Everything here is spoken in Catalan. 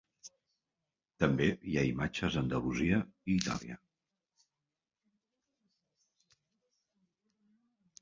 També hi ha imatges d'Andalusia i Itàlia.